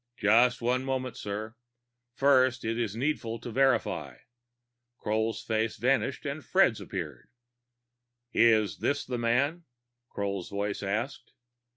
"Just one moment, sir. First it is needful to verify." Kroll's face vanished and Fred's appeared. "Is this the man?" Kroll's voice asked.